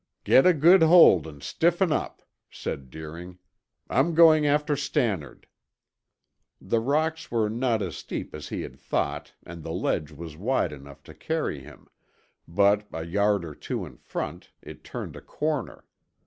"Get a good hold and stiffen up," said Deering. "I'm going after Stannard." The rocks were not as steep as he had thought and the ledge was wide enough to carry him, but a yard or two in front it turned a corner.